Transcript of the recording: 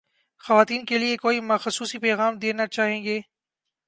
خواتین کے لئے کوئی خصوصی پیغام دینا چاہیے گی